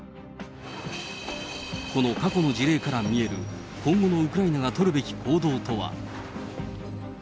この過去の事例から見える、今後のウクライナが取るべき行動とは。